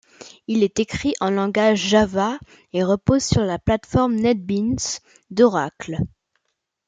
Il est écrit en langage Java et repose sur la plate-forme NetBeans d'Oracle.